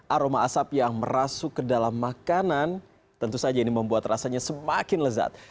aroma asap yang merasuk ke dalam makanan tentu saja ini membuat rasanya semakin lezat